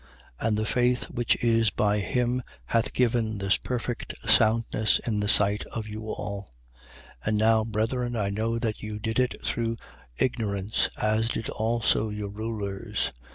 And the faith which is by him hath given this perfect soundness in the sight of you all. 3:17. And now, brethren, I know that you did it through ignorance: as did also your rulers.